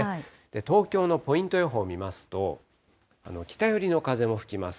東京のポイント予報見ますと、北寄りの風も吹きます。